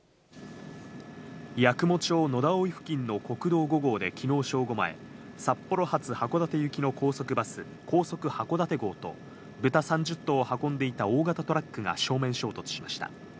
八雲町野田生付近の国道５号できのう正午前、札幌発函館行きの高速バス、高速はこだて号と、豚３０頭を運んでいた大型トラックが正面衝突しました。